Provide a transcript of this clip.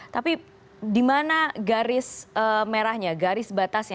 tapi di mana garis merahnya garis batasnya